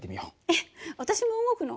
えっ私も動くの？